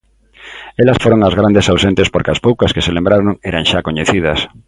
Elas foron as grandes ausentes porque as poucas que se lembraron eran xa coñecidas.